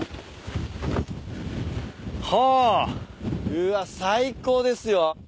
うわ最高ですよ。